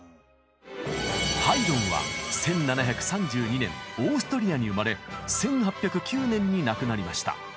ハイドンは１７３２年オーストリアに生まれ１８０９年に亡くなりました。